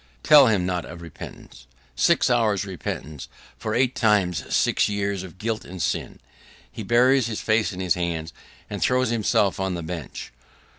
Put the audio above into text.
Tell him not of repentance! Six hours' repentance for eight times six years of guilt and sin! He buries his face in his hands, and throws himself on the bench.